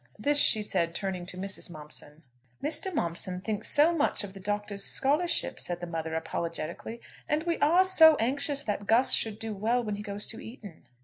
This she said turning to Mrs. Momson. "Mr. Momson thinks so much of the Doctor's scholarship," said the mother, apologetically. "And we are so anxious that Gus should do well when he goes to Eton."